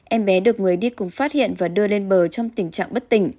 em bé được người đi cùng phát hiện và đưa lên bờ trong tình trạng bất tỉnh